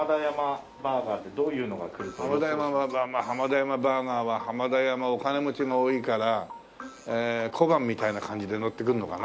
浜田山バーガーは浜田山お金持ちが多いから小判みたいな感じでのってくるのかな？